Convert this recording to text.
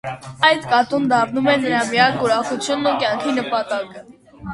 Այդ կատուն դառնում է նրա միակ ուրախությունն ու կյանքի նպատակը։